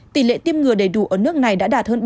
tỷ lệ tiêm ngừa đầy đủ ở nước này đã đạt hơn bảy mươi chín